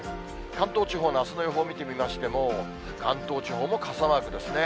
関東地方のあすの予報を見てみましても、関東地方も傘マークですね。